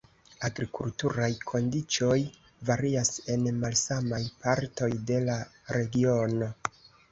Agrikulturaj kondiĉoj varias en malsamaj partoj de la regiono.